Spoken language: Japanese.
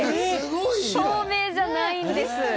透明じゃないんです。